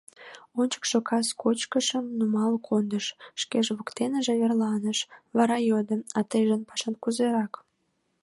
Ончыкшо кас кочкышым нумал кондыш, шкеже воктеныже верланыш, вара йодо: — А тыйжын пашат кузерак?